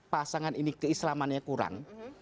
pasangan ini keislamannya kurang